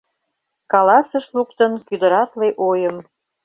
Каласыш луктын Кӱдыратле ойым.